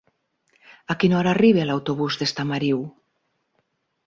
A quina hora arriba l'autobús d'Estamariu?